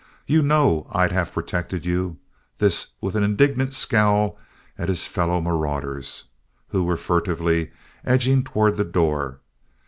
You know I'd have protected you!" This with an indignant scowl at his fellow marauders, who were furtively edging toward the door.